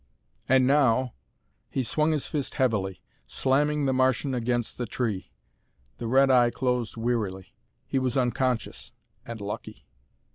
"And now " He swung his fist heavily, slamming the Martian against the tree. The red eye closed wearily. He was unconscious, and lucky.